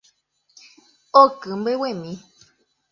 Oky mbeguemi